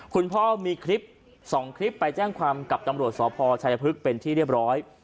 คุณพ่อมีคลิป๒คลิปไปแจ้งความกับตำรวจสพชายพฤกษ์เป็นที่เรียบร้อย